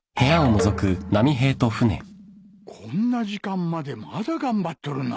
こんな時間までまだ頑張っとるな。